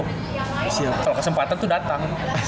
kalo kesempatan tuh datang